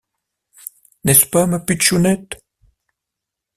N’est-ce pas ma pitchounette?